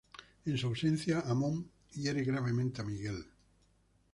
En su ausencia, Amón hiere gravemente a Miguel.